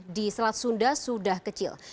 di selat sunda sudah kecil